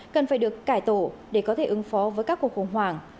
cần phải được cải tổ để có thể ứng phó với các cuộc khủng hoảng